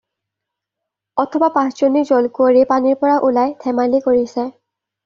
অথবা পাঁচজনী জলকুঁৱৰী পানীৰ পৰা ওলাই ধেমালি কৰিছে।